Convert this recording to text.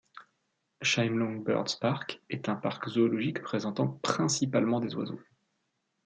Chimelong Birds Park est un parc zoologique présentant principalement des oiseaux.